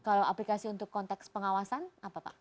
kalau aplikasi untuk konteks pengawasan apa pak